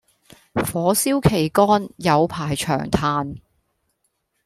火燒旗杆有排長炭